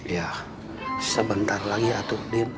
ya sebentar lagi atuk din